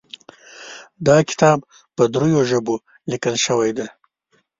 دا کتاب په دریو ژبو لیکل شوی ده